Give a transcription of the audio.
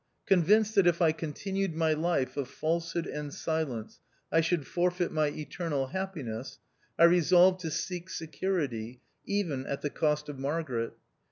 Convinced that if I continued my life of falsehood and silence, I should forfeit my eternal happiness, I resolved to seek security — even at the cost of Margaret.